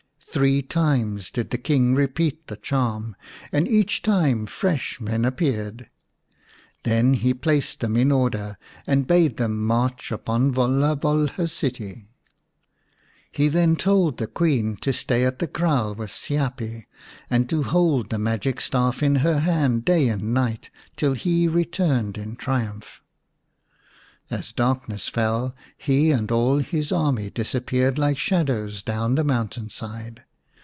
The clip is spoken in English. Three times did the King repeat the charm, and each time fresh men appeared. Then he placed them in order, and bade them march upon Volha Volha's city. He then told the Queen to stay at the kraal with Siapi, and to hold the magic staff in her hand day and night till he returned in triumph. As darkness fell he and all his army dis appeared like shadows down the mountain side.